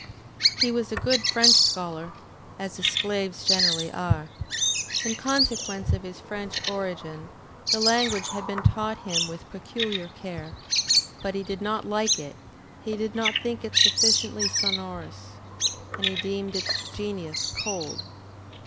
He was a good French scholar, as the Sclaves generally are. In consequence of his French origin, the language had been taught him with peculiar care. But he did not like it, he did not think it sufficiently sonorous, and he deemed its genius cold.